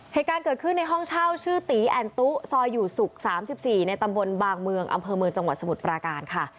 เหตุการณ์เกิดขึ้นในห้องเช่าชื่อตีแอนตุซอยอยู่ศุกร์๓๔ในตำบลบางเมืองอำเภอเมืองจังหวัดสมุทรปราการค่ะ